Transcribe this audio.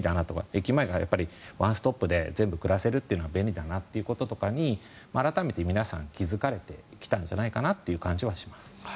駅前もワンストップで全部暮らせるのは便利だなということで改めて皆さん気付かれてきたんじゃないかなという感じはします。